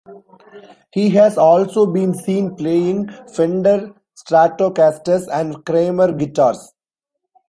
He has also been seen playing Fender Stratocasters and Kramer guitars.